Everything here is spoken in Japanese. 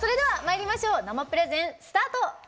生プレゼン、スタート。